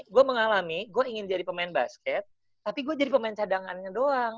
gue mengalami gue ingin jadi pemain basket tapi gue jadi pemain cadangannya doang